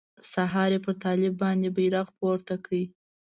سهار يې پر طالب باندې بيرغ پورته کړ.